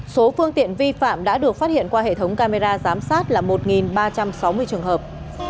số phương tiện vi phạm đã được phát hiện qua hệ thống camera giám sát là một ba trăm sáu mươi trường hợp